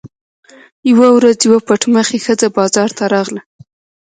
یوه ورځ یوه پټ مخې ښځه بازار ته راغله.